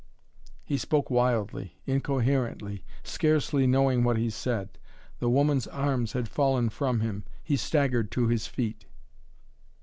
He spoke wildly, incoherently, scarcely knowing what he said. The woman's arms had fallen from him. He staggered to his feet.